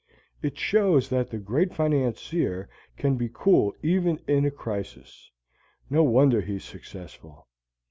It shows that the great financier can be cool even in a crisis. No wonder he is successful.